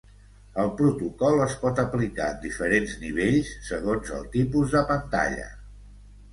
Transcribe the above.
El protocol es pot aplicar en diferents nivells segons el tipus de pantalla.